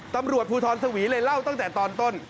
ตำรวจภูทรสวีเลยเล่าตั้งแต่ตอนต้น